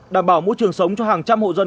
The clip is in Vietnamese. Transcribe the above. đảm bảo môi trường sống cho hàng trăm hộ dân